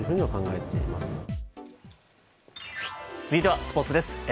続いてはスポーツです。